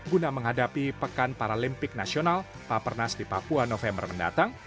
guna menghadapi pekan paralimpik nasional papernas di papua november mendatang